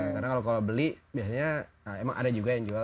karena kalau beli biasanya emang ada juga yang jual